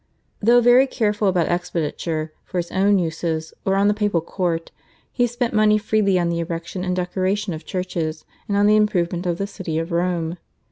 Though very careful about expenditure for his own uses or on the papal court he spent money freely on the erection and decoration of churches, and on the improvement of the city of Rome.